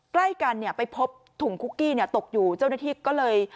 ใกล้กันเนี่ยไปพบถุงคุกกี้เนี่ยตกอยู่เจ้าหน้าที่ก็เลย